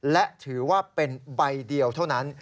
และถือว่าเป็นใบเดียวเท่านั้น